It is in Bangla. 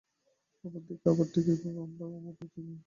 অপর দিকে আবার ঠিক এইভাবেই আমরাও অপরের দ্বারা প্রভাবিত হইতেছি।